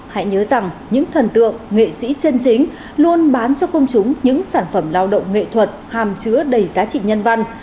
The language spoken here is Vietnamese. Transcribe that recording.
hãy nhớ rằng những thần tượng nghệ sĩ chân chính luôn bán cho công chúng những sản phẩm lao động nghệ thuật hàm chứa đầy giá trị nhân văn